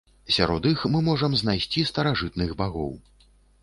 Сярод іх мы можам знайсці старажытных багоў.